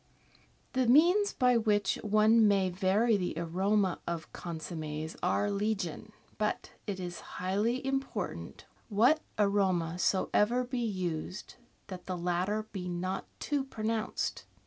The means by which one may vary the aroma of con sommes are legion, but it is highly important, what aroma soever be used, that the latter be not too pronounced.